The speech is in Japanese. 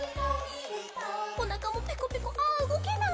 「おなかもペコペコああうごけない」「」